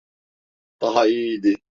Daha iyiydi.